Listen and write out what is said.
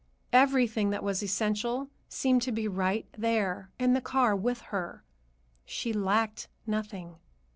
Everything that was essential seemed to be right there in the car with her. She lacked nothing.